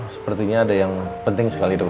sepertinya ada yang penting sekali dok